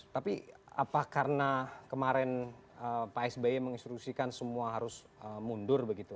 tapi apa karena kemarin pak sby menginstruksikan semua harus mundur begitu